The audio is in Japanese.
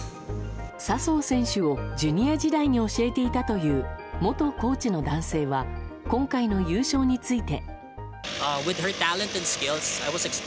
笹生選手をジュニア時代に教えていたという元コーチの男性は今回の優勝について。